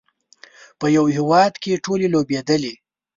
په یوه هوا کې ټولې لوبېدلې.